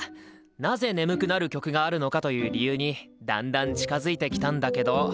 なぜ眠くなる曲があるのかという理由にだんだん近づいてきたんだけど。